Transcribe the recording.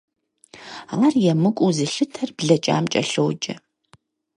Ар емыкӀуу зылъытэр блэкӀам кӀэлъоджэ.